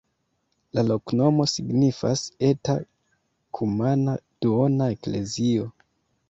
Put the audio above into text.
La loknomo signifas: eta-kumana-duona-eklezio.